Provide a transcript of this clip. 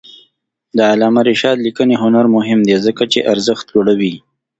د علامه رشاد لیکنی هنر مهم دی ځکه چې ارزښت لوړوي.